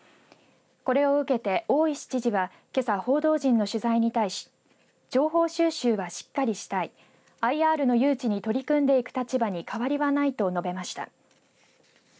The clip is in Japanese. これを受けて大石知事はけさ報道陣の取材に対し情報収集はしっかりしたいＩＲの誘致に取り組んでいく立場に変わりはないと述べました。